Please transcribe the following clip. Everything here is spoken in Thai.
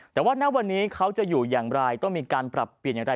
แต่ว่าณวันนี้เขาจะอยู่อย่างไรต้องมีการปรับเปลี่ยนอย่างไร